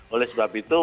oleh sebab itu